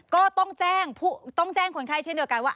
ก็ต้องแจ้งคนไข้เช่นเดียวกันว่า